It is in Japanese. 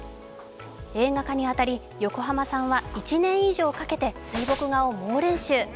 映画化に当たり、横浜さんは１年以上かけて水墨画を猛練習。